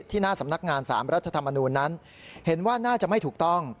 หน้าสำนักงาน๓รัฐธรรมนูญนั้นเห็นว่าน่าจะไม่ถูกต้อง